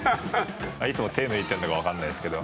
いつも手を抜いてるのか分かんないですけど。